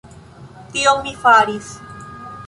Tion mi faris.